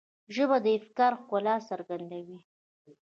ژبه د افکارو ښکلا څرګندوي